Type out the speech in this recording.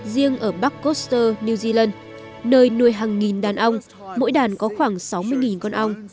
riêng ở bắc koster new zealand nơi nuôi hàng nghìn đàn ông mỗi đàn có khoảng sáu mươi con ong